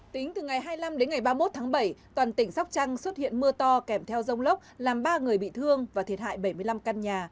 tính từ ngày hai mươi năm đến ngày ba mươi một tháng bảy toàn tỉnh sóc trăng xuất hiện mưa to kèm theo rông lốc làm ba người bị thương và thiệt hại bảy mươi năm căn nhà